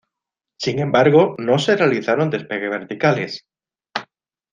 Sin embargo, no se realizaron despegues verticales.